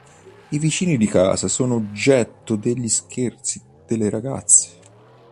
I vicini di casa sono oggetto degli scherzi delle ragazze.